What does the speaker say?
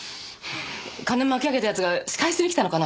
金巻き上げた奴が仕返しに来たのかな？